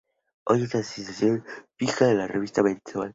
Hoy es una sección fija de la revista mensual.